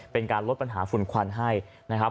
เป็นการลดปัญหาฝุ่นควันให้นะครับ